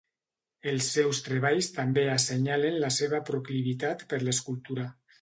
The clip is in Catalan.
Els seus treballs també assenyalen la seva proclivitat per l'escultura.